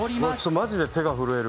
マジで手が震える。